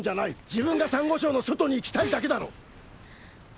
「自分がサンゴ礁の外に行きたいだけだろ」